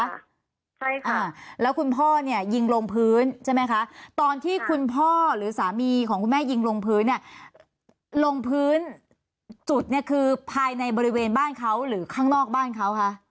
ใช่ค่ะแล้วคุณพ่อเนี่ยยิงลงพื้นใช่ไหมคะตอนที่คุณพ่อหรือสามีของคุณแม่ยิงลงพื้นเนี่ยลงพื้นจุดเนี่ยคือภายในบริเวณบ้านเขาหรือข้างนอกบ้านเขาคะ